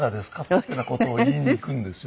ってな事を言いに行くんですよ。